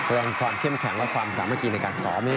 เชิงความเข้มแข็งและความสามารถกินในการซ้อมนี่